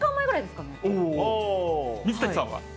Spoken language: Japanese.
水谷さんは？